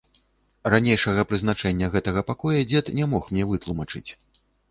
Ранейшага прызначэння гэтага пакоя дзед не мог мне вытлумачыць.